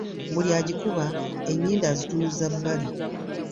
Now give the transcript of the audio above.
Buli agikuba enyindo azitunuza bbali.